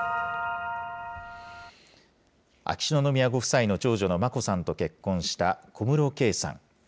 秋篠宮ご夫妻の長女の眞子さんと結婚した小室圭さん。